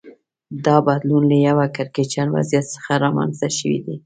دا بدلون له یوه کړکېچن وضعیت څخه رامنځته شوی دی